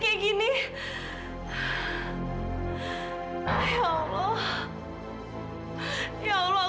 kurang menyerangir peach